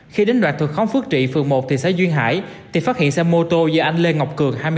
khi đến đoạn thuộc khóm phước trị phường một thị xã duyên hải thì phát hiện xe mô tô do anh lê ngọc cường